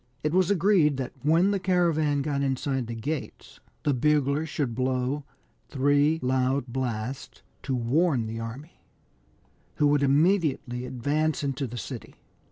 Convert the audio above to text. It was agreed that when the caravan got inside the gates the bugler should blow three loud blasts to warn the army, who would immediately advance into the city.